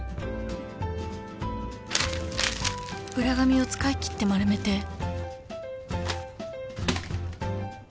［裏紙を使い切って丸めて］